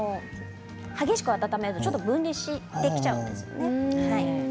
激しく温めるとちょっと分離してきちゃうんです。